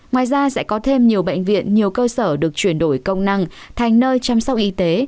ngoài ra sẽ có thêm nhiều bệnh viện nhiều cơ sở được chuyển đổi công năng thành nơi chăm sóc y tế